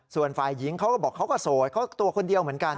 ส่วนฝ่ายหญิงเขาก็บอกเขาก็โสดเขาตัวคนเดียวเหมือนกัน